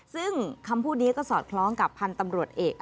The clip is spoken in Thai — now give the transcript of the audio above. ซึ่งคำพูดนี้ก็สอดคล้องกับพันธ์ตำรวจเอก